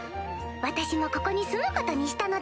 私もここに住むことにしたのだ。